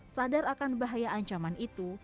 sadar akan bahaya ancaman itu